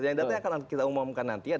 yang data yang akan kita umumkan nanti